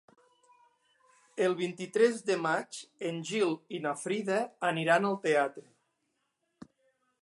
El vint-i-tres de maig en Gil i na Frida aniran al teatre.